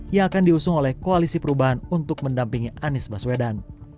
yang akan diusung oleh koalisi perubahan untuk mendampingi anies baswedan